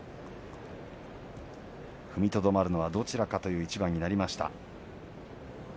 踏みとどまるのはどちらかという一番になりました。